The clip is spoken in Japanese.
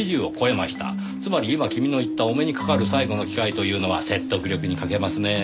つまり今君の言ったお目にかかる最後の機会というのは説得力に欠けますねぇ。